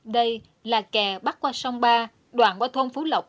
đây là kè bắc qua sông ba đoạn qua thôn phú lộc